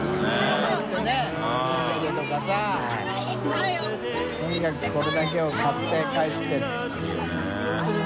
とにかくこれだけを買って帰っていいよね。